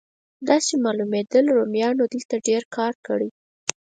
داسې معلومېدل رومیانو دلته ډېر کار کړی.